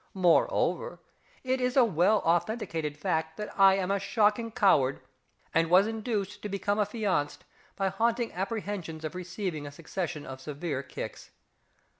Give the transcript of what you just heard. Moreover, it is a well authenticated fact that I am a shocking coward, and was induced to become affianced by haunting apprehensions of receiving a succession of severe kicks.